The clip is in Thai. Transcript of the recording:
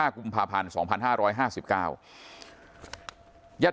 กุมภาพันธ์๒๕๕๙